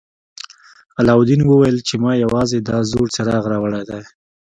علاوالدین وویل چې ما یوازې دا زوړ څراغ راوړی دی.